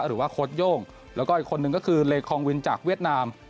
หรือว่าโค้ดโย่งแล้วก็อีกคนนึงก็คือเลคองวินจากเวียดนาม